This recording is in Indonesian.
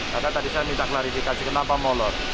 karena tadi saya minta klarifikasi kenapa molot